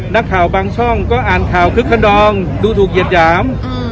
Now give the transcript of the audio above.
บางช่องก็อ่านข่าวคึกขนองดูถูกเหยียดหยาม